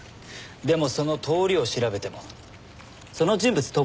でもその通りを調べてもその人物特定出来ます？